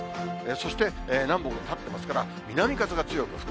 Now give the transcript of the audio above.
そして南北立ってますから、南風が強く吹く。